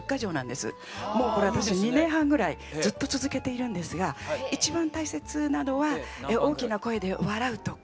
もうこれ私２年半ぐらいずっと続けているんですが一番大切なのは大きな声で笑うとか